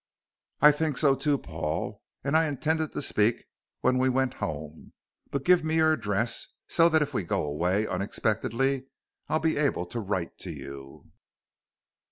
"I think so, too, Paul, and I intended to speak when we went home. But give me your address, so that if we go away unexpectedly I'll be able to write to you."